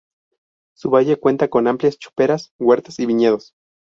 Su valle cuenta con amplias choperas, huertas y viñedos.